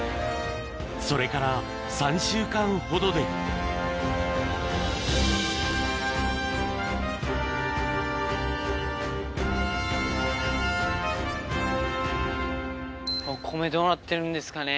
それから３週間ほどでお米どうなってるんですかね？